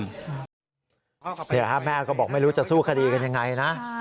เดี๋ยวค่ะแม่ก็บอกไม่รู้จะสู้คดีกันอย่างไรนะ